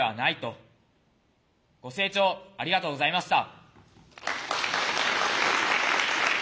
ご清聴ありがとうございました。